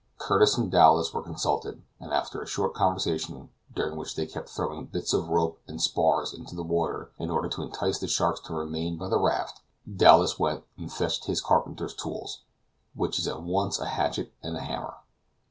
Curtis and Dowlas were consulted, and after a short conversation, during which they kept throwing bits of rope and spars into the water in order to entice the sharks to remain by the raft, Dowlas went and fetched his carpenter's tool, which is at once a hatchet and a hammer.